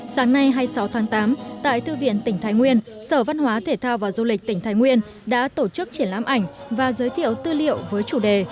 sáng nay hai mươi sáu tháng tám tại thư viện tỉnh thái nguyên sở văn hóa thể thao và du lịch tỉnh thái nguyên đã tổ chức triển lãm ảnh và giới thiệu tư liệu với chủ đề